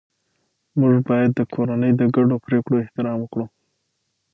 موږ باید د کورنۍ د ګډو پریکړو احترام وکړو